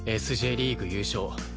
Ｓ／Ｊリーグ優勝。